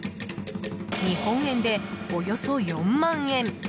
日本円でおよそ４万円。